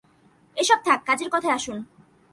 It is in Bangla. এসব থাক, কাজের কথায় আসুন।